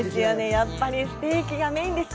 やっぱりステーキがメインです。